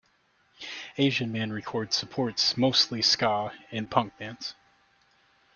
Asian Man Records supports mostly ska and punk bands.